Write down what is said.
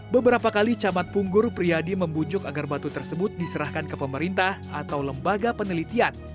beberapa kali camat punggur priyadi membujuk agar batu tersebut diserahkan ke pemerintah atau lembaga penelitian